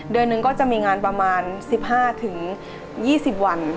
เดือนหนึ่งก็จะมีงานประมาณ๑๕๒๐วัน